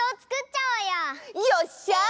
よっしゃ！